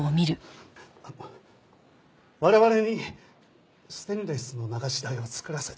我々にステンレスの流し台を作らせてください。